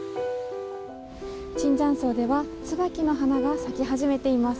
椿山荘では椿の花が咲き始めています。